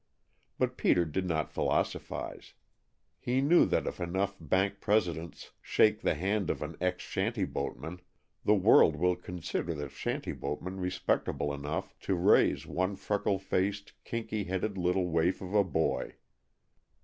But Peter did not philosophize. He knew that if enough bank presidents shake the hand of an ex shanty boatman the world will consider the shanty boatman respectable enough to raise one freckle faced, kinky headed little waif of a boy.